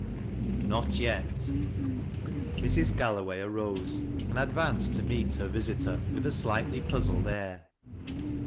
NOT YET. Mrs. Q allow at arose and advanced to meet her visitoi .vith a slightly puzzled air.